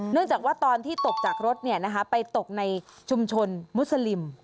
จากว่าตอนที่ตกจากรถไปตกในชุมชนมุสลิม